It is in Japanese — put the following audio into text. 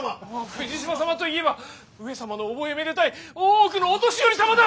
富士島様といえば上様の覚えめでたい大奥の御年寄様だ！